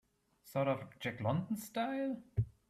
Sort of a Jack London style?